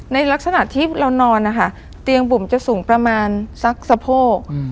ในลักษณะที่เรานอนนะคะเตียงบุ่มจะสูงประมาณสักสะโพก